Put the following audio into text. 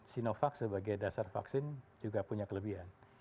sinovac sebagai dasar vaksin juga punya kelebihan